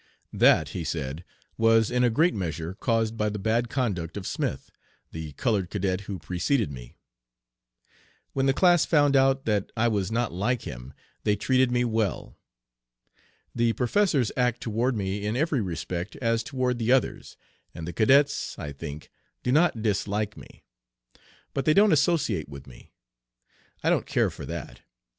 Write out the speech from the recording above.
'That,' he said, 'was in a great measure caused by the bad conduct of Smith, the colored cadet who preceded me. When the class found out that I was not like him, they treated me well. The professors act toward me in every respect as toward the others, and the cadets, I think, do not dislike me. But they don't associate with me. I don't care for that.